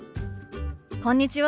こんにちは。